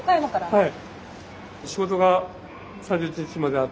はい。